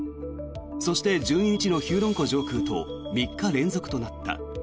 そして、１２日のヒューロン湖上空と３日連続となった。